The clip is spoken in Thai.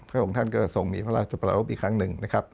พระองค์ท่านก็ทรงมีพระราชประรูปอีกครั้งหนึ่งนะครับ